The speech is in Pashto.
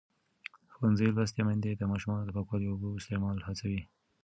ښوونځې لوستې میندې د ماشومانو د پاکو اوبو استعمال هڅوي.